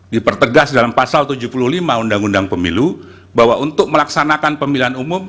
dipertegas dalam pasal tujuh puluh lima undang undang pemilu bahwa untuk melaksanakan pemilihan umum